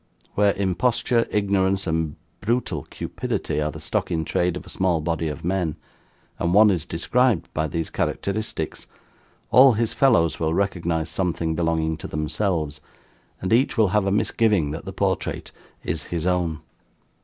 Where imposture, ignorance, and brutal cupidity, are the stock in trade of a small body of men, and one is described by these characteristics, all his fellows will recognise something belonging to themselves, and each will have a misgiving that the portrait is his own.